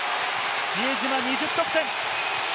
比江島、２０得点。